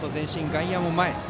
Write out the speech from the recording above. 外野も前。